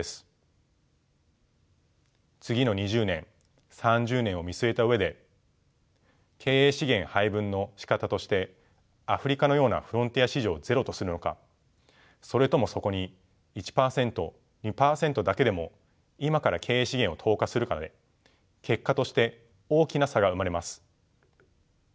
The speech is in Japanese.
次の２０年３０年を見据えた上で経営資源配分のしかたとしてアフリカのようなフロンティア市場をゼロとするのかそれともそこに１％２％だけでも今から経営資源を投下するかで結果として大きな差が生まれます。